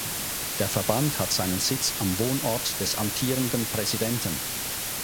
Der Verband hat seinen Sitz am Wohnort des amtierenden Präsidenten.